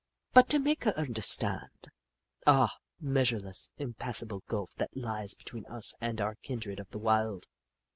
But to make her understand ? Ah, measure less, impassable gulf that lies between us and our kindred of the wild